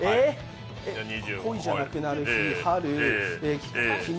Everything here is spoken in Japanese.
「恋じゃなくなる日」、「春」